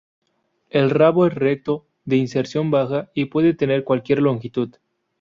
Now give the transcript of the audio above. El rabo es recto, de inserción baja y puede tener cualquier longitud.